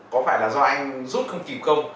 có phải là do anh rút không kịp không